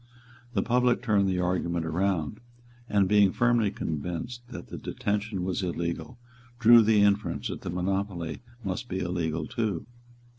The public turned the argument round, and, being firmly convinced that the detention was illegal, drew the inference that the monopoly must be illegal too.